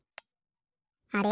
あれ？